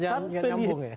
kejadian yang nyambung ya